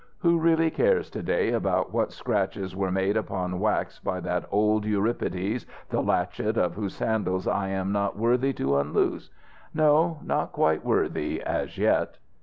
Who really cares to day about what scratches were made upon wax by that old Euripides, the latchet of whose sandals I am not worthy to unloose? No, not quite worthy, as yet!"